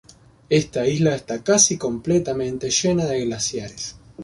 Esta isla está casi completamente llena de glaciares.